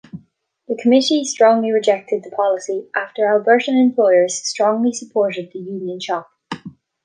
The committee strongly rejected the policy after Albertan employers strongly supported the union shop.